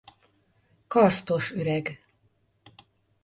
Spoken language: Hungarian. Karsztos üreg.